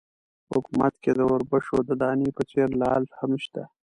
په حکومت کې د اوربشو د دانې په څېر لعل هم شته.